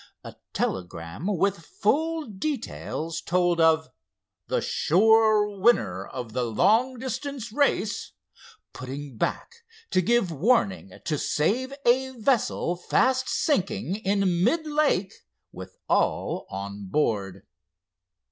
A telegram with full details told of "the sure winner of the long distance race" putting back to give warning to save a vessel fast sinking in mid lake with all on board.